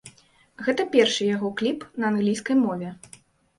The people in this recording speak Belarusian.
Гэта першы яго кліп на англійскай мове.